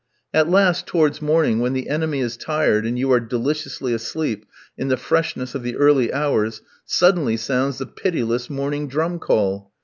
At last, towards morning, when the enemy is tired and you are deliciously asleep in the freshness of the early hours, suddenly sounds the pitiless morning drum call.